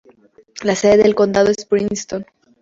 La sede del condado es Princeton.